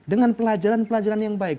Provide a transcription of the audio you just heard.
dengan pelajaran pelajaran yang baik